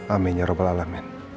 amin ya rabbal alamin